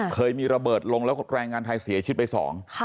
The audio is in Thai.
เคยมีระเบิดลงแล้วแรงงานไทยเสียชีวิตไปสอง